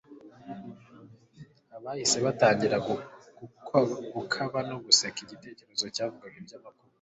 Abahise btangira gukoba no guseka igitekerezo cyavugaga ibyamakuba